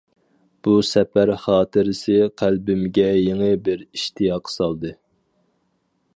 بۇ سەپەر خاتىرىسى قەلبىمگە يېڭى بىر ئىشتىياق سالدى.